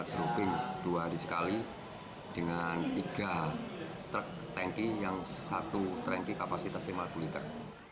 kita grouping dua di sekali dengan tiga truk tanki yang satu truk tanki kapasitas lima puluh liter